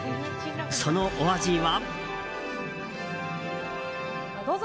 そのお味は。